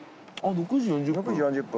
６時４０分。